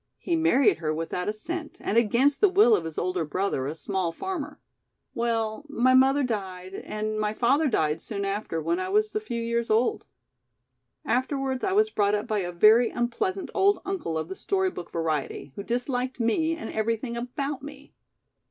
He married her without a cent and against the will of his older brother, a small farmer. Well, my mother died and my father died soon after when I was a few years old. Afterwards I was brought up by a very unpleasant old uncle of the story book variety, who disliked me and everything about me.